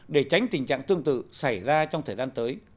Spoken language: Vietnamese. để tránh tình trạng tương tự xảy ra trong thời gian tới